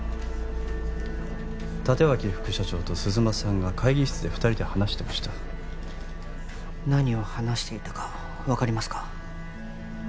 立脇副社長と鈴間さんが会議室で二人で話してました何を話していたか分かりますか？